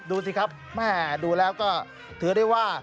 ดูสิครับแม่ดูแล้วก็ถือได้ว่า